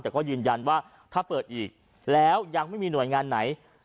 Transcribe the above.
แต่ก็ยืนยันว่าถ้าเปิดอีกแล้วยังไม่มีหน่วยงานไหน